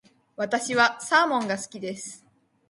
私はサーモンが好きです。